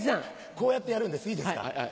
こうやってやるんですいいですか。